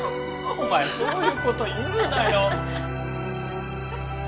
お前そういうこと言うなよ